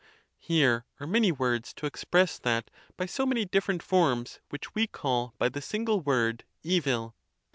Here are many words to express that by so many different forms which we call by the single word evil.